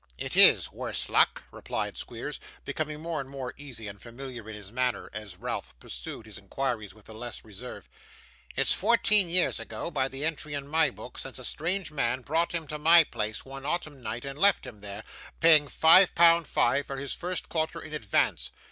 'It is, worse luck!' replied Squeers, becoming more and more easy and familiar in his manner, as Ralph pursued his inquiries with the less reserve. 'It's fourteen years ago, by the entry in my book, since a strange man brought him to my place, one autumn night, and left him there; paying five pound five, for his first quarter in advance.